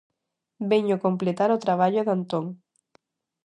Veño completar o traballo de Antón.